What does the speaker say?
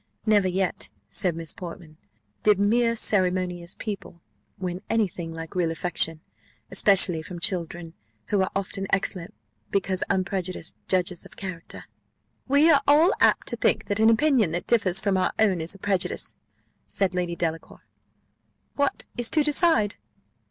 "Never yet," said Miss Portman, "did mere ceremonious person win any thing like real affection; especially from children, who are often excellent, because unprejudiced, judges of character." "We are all apt to think, that an opinion that differs from our own is a prejudice," said Lady Delacour: "what is to decide?"